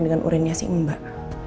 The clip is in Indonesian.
dengan urinnya si mbak